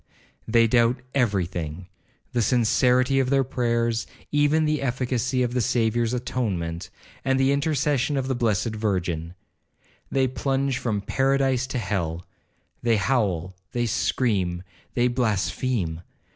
They doubt every thing—the sincerity of their prayers, even the efficacy of the Saviour's atonement, and the intercession of the blessed Virgin. They plunge from paradise to hell. They howl, they scream, they blaspheme.